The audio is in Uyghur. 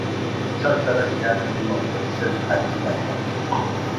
چاچ تاراش جەھەتتىنمۇ بىر قىسىم پەرھىزلەر بار.